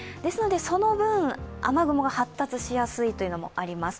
その分、雨雲が発達しやすいというのもあります。